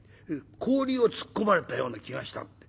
氷を突っ込まれたような気がしたって。